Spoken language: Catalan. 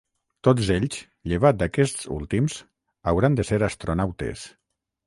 Tots ells, llevat d'aquests últims, hauran de ser astronautes.